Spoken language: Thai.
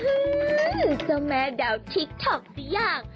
อื้อฮือเจ้าแม่ดาวทิกท็อกซี่อย่าง